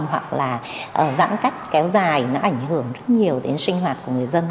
hoặc là giãn cách kéo dài nó ảnh hưởng rất nhiều đến sinh hoạt của người dân